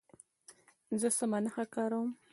زه سمه نښه کاروم.